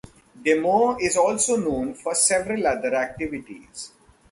De Moor is also known for several other activities.